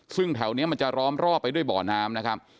ซึ่งแถวนี้มันจะล้อมรอบไปด้วยบ่อน้ำนะครับ